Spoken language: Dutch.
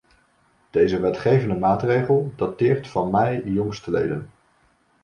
Deze wetgevende maatregel dateert van mei jongstleden.